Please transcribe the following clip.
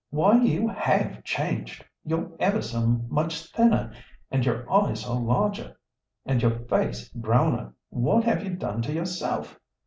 Why you have changed! You're ever so much thinner, and your eyes are larger, and your face browner. What have you done to yourself?